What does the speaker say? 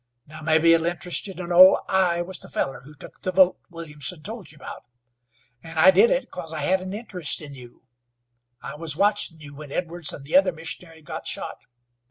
Now, mebbe it'll interest you to know I was the feller who took the vote Williamson told you about, an' I did it 'cause I had an interest in you. I wus watchin' you when Edwards and the other missionary got shot.